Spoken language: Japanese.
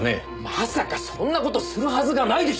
まさかそんな事するはずがないでしょう！